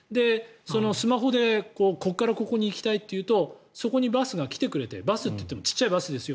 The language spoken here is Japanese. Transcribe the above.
スマホでここからここに行きたいと言うとそこにバスが来てくれてバスって言っても小さいバスですよ